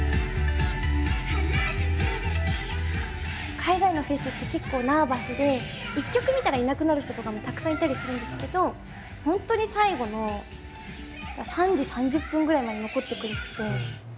海外のフェスって結構ナーバスで１曲見たらいなくなる人とかもたくさんいたりするんですけど本当に最後の３時３０分ぐらいまで残ってくれてて。